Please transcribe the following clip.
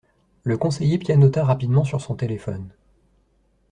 Le conseiller pianota rapidement sur son téléphone.